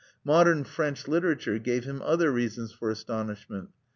Modern French literature gave him other reasons for astonishment.